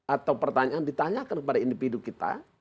atau pertanyaan ditanyakan kepada individu kita